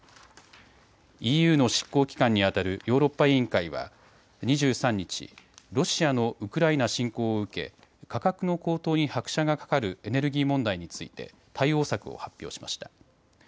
ＥＵの執行機関にあたるヨーロッパ委員会は２３日、ロシアのウクライナ侵攻を受け価格の高騰に拍車がかかるエネルギー問題について対応策を発表しました。